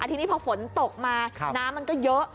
ทีนี้พอฝนตกมาน้ำมันก็เยอะ